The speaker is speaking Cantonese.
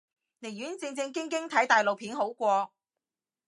寧願正正經經睇大陸片好過